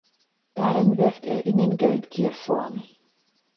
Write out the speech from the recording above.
Darin wirft er ihnen Geldgier vor.